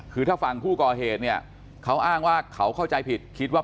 คือถ้าฝั่งผู้ก่อเหตุเนี่ยเขาอ้างว่าเขาเข้าใจผิดคิดว่า